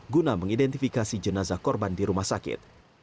guna mengidentifikasi jenazah korban di rumah sakit